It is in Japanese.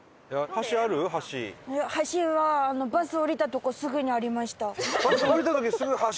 橋はバス降りたとこすぐにありました。